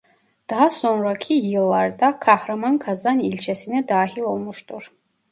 Daha sonraki yıllarda Kahramankazan ilçesine dahil olmuştur.